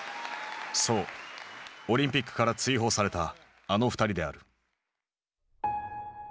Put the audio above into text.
そうオリンピックから追放されたあの２人である。